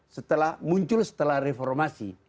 setelah muncul setelah reformasi